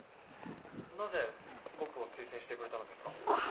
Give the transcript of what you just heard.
なぜ僕を推薦してくれたのですか？